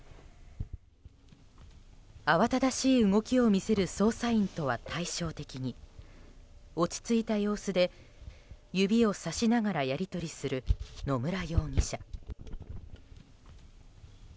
慌ただしい動きを見せる捜査員とは対照的に落ち着いた様子で指をさしながらやり取りする野村容疑者。